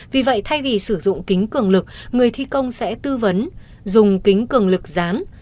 vì vậy thay vì sử dụng kính cường lực người thi công sẽ tư vấn dùng kính cường lực dán